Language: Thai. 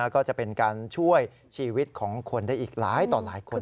ก็จะเป็นการช่วยชีวิตของคนได้อีกหลายต่อหลายคน